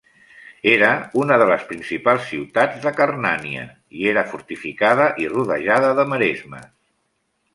Era una de les principals ciutats d'Acarnània i era fortificada i rodejada de maresmes.